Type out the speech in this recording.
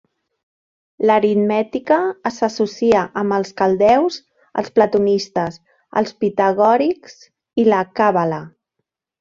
L'aritmètica s'associa amb els caldeus, els platonistes, els pitagòrics i la Càbala.